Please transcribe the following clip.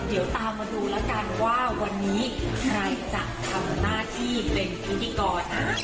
เดี๋ยวตามมาดูแล้วกันว่าวันนี้ใครจะทำหน้าที่เป็นพิธีกร